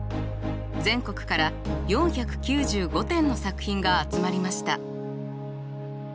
全国から４９５点の作品が集まりました。